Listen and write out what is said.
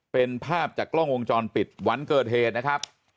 เป็นภาพจากกล้องวงจรปิดวันเกิดเหตุนะครับ